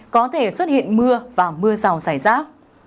có thể xuất hiện mưa và mưa rào rải rác